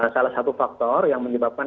salah satu faktor yang menyebabkan